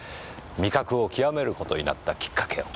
味覚を究める事になったきっかけを。